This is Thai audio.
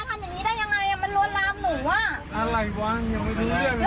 ป้าให้มันลงไปเลยมันจ่ายจังอย่างเดี๋ยวหนูจ่ายให้